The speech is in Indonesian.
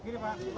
terima kasih pak